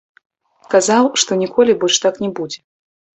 Казаў, што ніколі больш так не будзе.